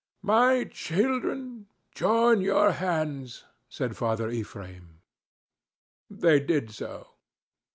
"My children, join your hands," said Father Ephraim. They did so.